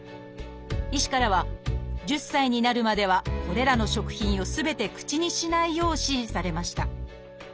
医師からは１０歳になるまではこれらの食品をすべて口にしないよう指示されました